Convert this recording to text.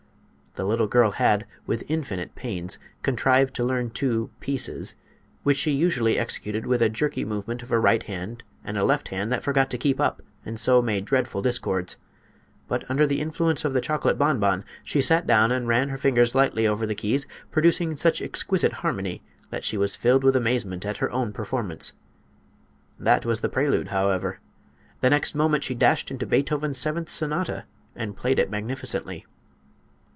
The little girl had, with infinite pains, contrived to learn two "pieces" which she usually executed with a jerky movement of her right hand and a left hand that forgot to keep up and so made dreadful discords. But under the influence of the chocolate bonbon she sat down and ran her fingers lightly over the keys producing such exquisite harmony that she was filled with amazement at her own performance. That was the prelude, however. The next moment she dashed into Beethoven's seventh sonata and played it magnificently.